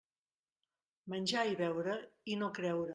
Menjar i beure, i no creure.